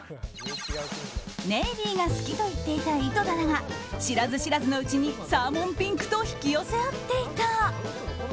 ネイビーが好きと言っていた井戸田だが知らず知らずのうちにサーモンピンクと引き寄せあっていた。